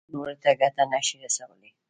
نورو ته ګټه نه شي رسولی.